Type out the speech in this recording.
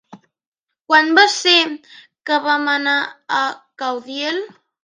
Quan va ser que vam anar a Caudiel?